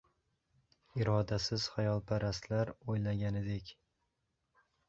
Irodasiz xayolparastlar o‘ylaganidek